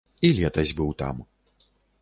І летась быў там.